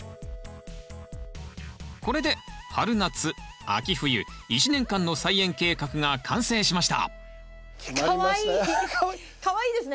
これで春夏秋冬１年間の菜園計画が完成しましたかわいい。